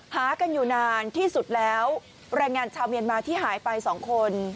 หากันอยู่นานที่สุดแล้วแรงงานชาวเมียนมาที่หายไปสองคน